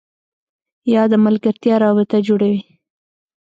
یا د ملګرتیا رابطه جوړوي